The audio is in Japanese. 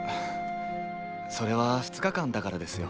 それは２日間だからですよ。